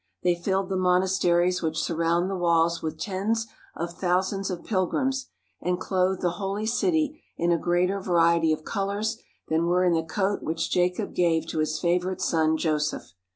They filled the monasteries which surround the walls with tens of thousands of pilgrims, and clothed the Holy City in a greater variety of colours than were in the coat which Jacob gave to his favourite son Joseph.